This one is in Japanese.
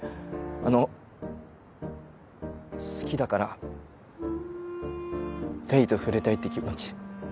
あの好きだから黎と触れたいって気持ち